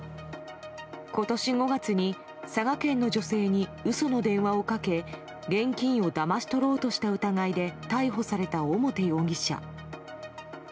今年５月に佐賀県の女性に嘘の電話をかけ現金をだまし取ろうとした疑いで逮捕された、表容疑者。